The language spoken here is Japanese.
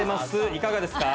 いかがですか？